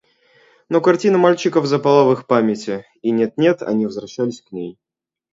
Но картина мальчиков запала в их памяти, и нет-нет они возвращались к ней.